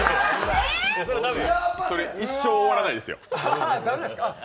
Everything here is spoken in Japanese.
それ一生終わらないですよ。